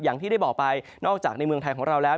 อย่างที่ได้บอกไปนอกจากในเมืองไทยของเราแล้ว